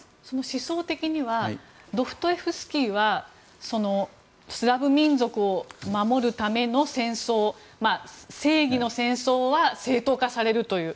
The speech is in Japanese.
思想的にはドストエフスキーはスラブ民族を守るための戦争正義の戦争は正当化されるという。